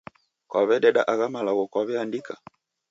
Kwaw'ededa agha malagho kwaw'eandika?